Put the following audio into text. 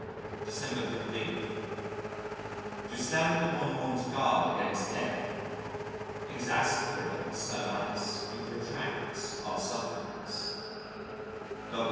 December 15. "To stand upon one's guard against Death exasperates her malice and protracts our sufferings."